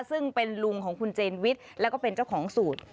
ซึ่งเป็นลุงของคุณเจนวิทย์แล้วก็เป็นเจ้าของสูตร